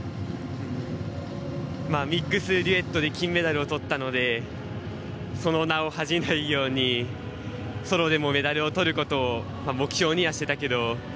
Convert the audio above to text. ミックスデュエットで金メダルをとったのでその名に恥じぬようソロでもメダルをとることを目標にはしていたけど。